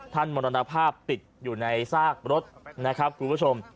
มรณภาพติดอยู่ในซากรถนะครับคุณผู้ชม